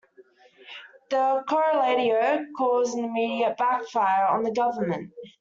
The corralito caused an immediate backfire on the government.